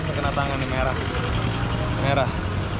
terkena tangan merah